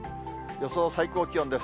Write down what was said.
予想最高気温です。